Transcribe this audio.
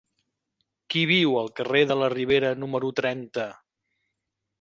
Qui viu al carrer de la Ribera número trenta?